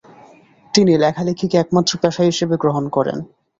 তিনি লেখালেখিকে একমাত্র পেশা হিসেবে গ্রহণ করেন।